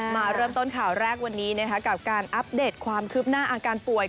มาเริ่มต้นข่าวแรกวันนี้กับการอัปเดตความคืบหน้าอาการป่วย